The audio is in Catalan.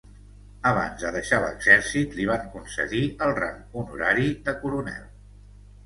Abans de deixar l'exèrcit li van concedir el rang honorari de coronel.